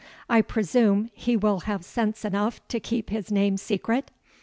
I presume he will have sense enough to keep his name secret?"